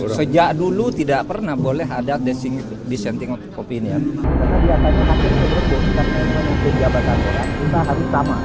sejak dulu tidak pernah boleh ada dissenting opinion